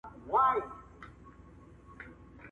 خو زه چې راویښ شوم